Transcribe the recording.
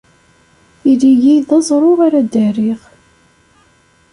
Ili-yi d aẓru ara ddariɣ.